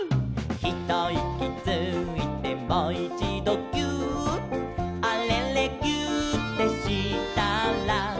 「ひといきついてもいちどぎゅーっ」「あれれぎゅーってしたら」